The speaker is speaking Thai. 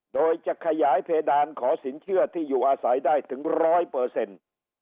โดยจะขยายเพดานขอสินเชื่อที่อยู่อาศัยได้ถึงร้อยเปอร์เซ็นต์